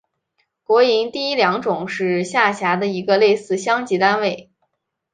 国营第一良种是下辖的一个类似乡级单位。